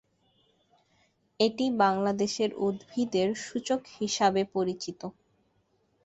এটি বাংলাদেশের উদ্ভিদের সূচক হিসাবে পরিচিত।